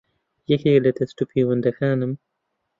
یەکێک لە دەستوپێوەندەکانم